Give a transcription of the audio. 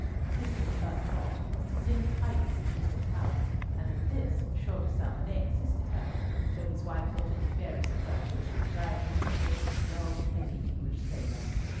Cicely's first thought was to send tidings to Mr. Talbot, and in this M. de Salmonnet assisted her, though his wife thought it very superfluous to drag in the great, dull, heavy, English sailor.